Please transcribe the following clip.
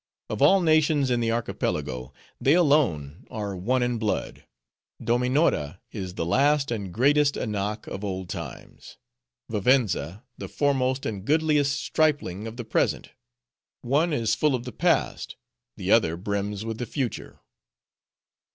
Of all nations in the Archipelago, they alone are one in blood. Dominora is the last and greatest Anak of Old Times; Vivenza, the foremost and goodliest stripling of the Present. One is full of the past; the other brims with the future.